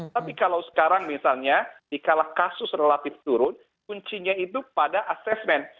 tapi kalau sekarang misalnya dikalah kasus relatif turun kuncinya itu pada assessment